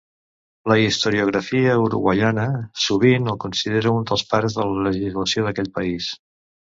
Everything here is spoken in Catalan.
La historiografia uruguaiana sovint el considera un dels pares de la legislació d'aquell país.